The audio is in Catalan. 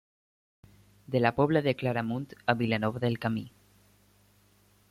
De la pobla de Claramunt a Vilanova del Camí.